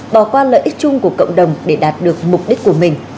bỏ qua lợi ích chung của cộng đồng để đạt được mục đích của mình